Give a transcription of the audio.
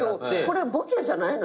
これボケじゃないのよ。